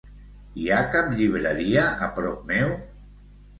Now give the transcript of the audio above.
Hi ha cap llibreria a prop meu?